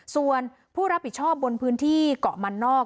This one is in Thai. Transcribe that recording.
ส่วนผู้รับผิดชอบบนพื้นที่เกาะมันนอก